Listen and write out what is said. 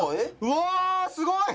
うわすごい！